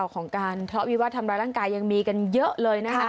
ของการทะเลาะวิวาสทำร้ายร่างกายยังมีกันเยอะเลยนะคะ